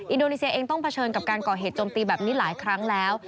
อินโดนีเซียเองต้องเผชิญกับการก่อเหตุจมตีแบบนี้หลายครั้งแล้ว